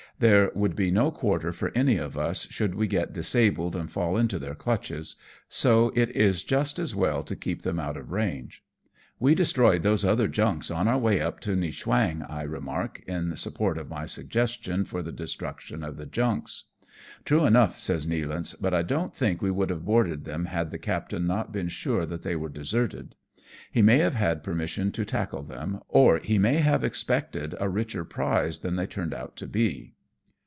There would be no quarter for any of us, TO NJNGPO. 217 should we get disabled and fall into their clutches ; so it is just as well to keep them out of range." " We destroyed those other junks on our way up to Nieunchwang," I remark, in support of my suggestion for the destruction of the junks. " True enough," says Nealance, " but I don't think we would have boarded them had the captain not been sure that they were deserted. He may have had per mission to tackle them ; or he may have expected a richer prize than they turned out to be.